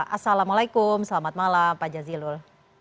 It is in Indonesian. assalamualaikum selamat malam pak jazilul